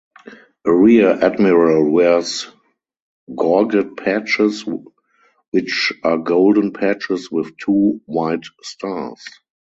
A rear admiral wears gorget patches which are golden patches with two white stars.